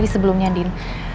maaf sebelumnya din